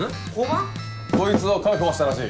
こいつを確保したらしい。